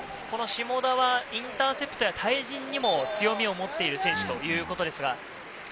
この下田はインターセプトや対人にも強みを持っている選手ということですが。